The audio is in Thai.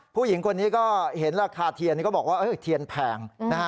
ผู้หญิงคนนี้ก็เห็นราคาเทียนก็บอกว่าเทียนแพงนะฮะ